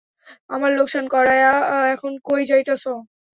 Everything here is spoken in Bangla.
আমার লোকসান করায়া, এখন কই যাইতাছো?